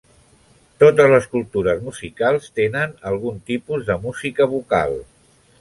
Totes les cultures musicals tenen algun tipus de música vocal.